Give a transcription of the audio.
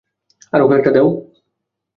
আরও কয়েকটা দেও?